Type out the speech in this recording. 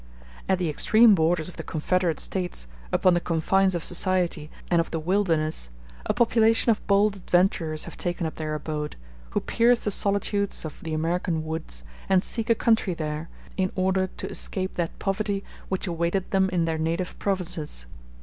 At the extreme borders of the Confederate States, upon the confines of society and of the wilderness, a population of bold adventurers have taken up their abode, who pierce the solitudes of the American woods, and seek a country there, in order to escape that poverty which awaited them in their native provinces.